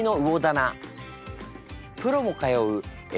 プロも通うＡ